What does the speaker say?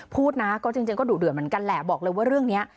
พูดนะก็จริงก็ดุเดือดเหมือนกันแหละบอกเลยว่าเรื่องนี้